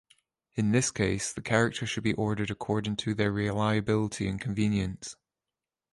In this case, the characters should be ordered according to their reliability and convenience.